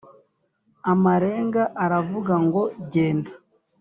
Amarenga aravuga ngo genda